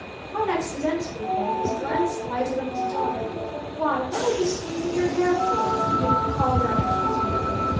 Quite accidentally then his glance lighted on his daughter. "Why, what are you smoothing your hair for?" he called out accusingly.